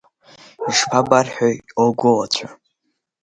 Ишԥабарҳәеи лгәылацәа?